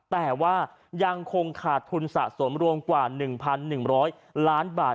แต่ว่ายังคงขาดทุนสะสมรวมกว่า๑๑๐๐ล้านบาท